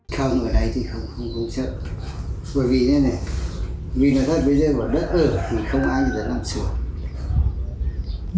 không ở đây thì không có sẵn bởi vì thế này bởi vì đất ở thì không ai được làm xưởng